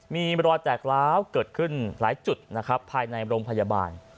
มีรอยแตกร้าวเกิดขึ้นหลายจุดนะครับภายในโรงพยาบาล